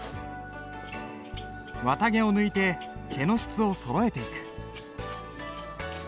綿毛を抜いて毛の質をそろえていく。